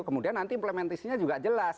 kemudian nanti implementasinya juga jelas